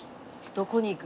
どこに行く？